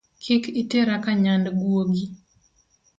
Kik itera ka nyand guogi